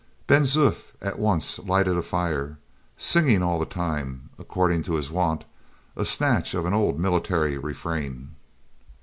Ben Zoof at once lighted a fire, singing all the time, according to his wont, a snatch of an old military refrain.